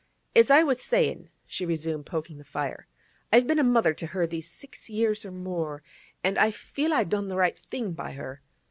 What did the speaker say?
'As I was sayin',' she resumed, poking the fire, 'I've been a mother to her these six years or more, an' I feel I done the right thing by her.